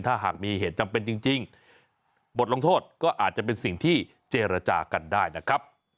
ถ้าหากมีเหตุจำเป็นจริงบทลงโทษก็อาจจะเป็นสิ่งที่เจรจากันได้นะครับ